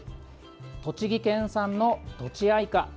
栃木県産の、とちあいか。